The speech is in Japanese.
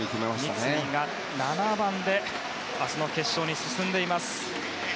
三井が７番で明日の決勝に進んでいます。